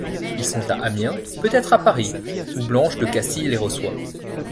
Ils sont à Amiens, peut-être à Paris, où Blanche de Castille les reçoit.